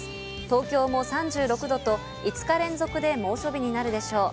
東京も３６度と５日連続で猛暑日になるでしょう。